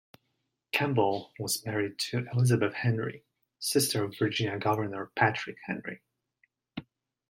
Campbell was married to Elizabeth Henry, sister of Virginia Governor, Patrick Henry.